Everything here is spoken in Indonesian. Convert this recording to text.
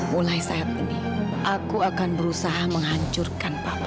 mulai saat ini aku akan berusaha menghancurkan papan